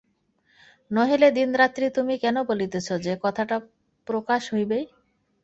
নহিলে দিনরাত্রি তুমি কেন বলিতেছ যে, কথাটা প্রকাশ হইবেই।